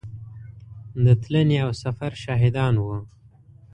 د تلنې او سفر شاهدان وو.